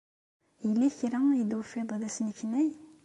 Yella kra ay d-tufid d asneknay?